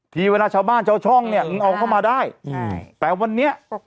ทีเวลาชาวบ้านชาวช่องเนี่ยเอาเข้ามาได้ใช่แต่วันนี้